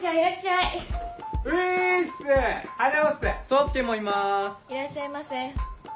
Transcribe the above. いらっしゃいませ。